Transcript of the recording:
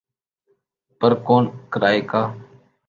پر کون کرائے گا؟